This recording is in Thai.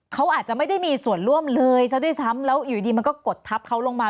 เขาอาจจะไม่ได้มีส่วนร่วมเลยซะด้วยซ้ำแล้วอยู่ดีมันก็กดทับเขาลงมา